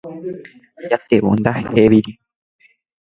Jatevu ndahevíri.